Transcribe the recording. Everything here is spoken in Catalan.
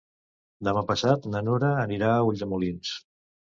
Demà passat na Nura anirà a Ulldemolins.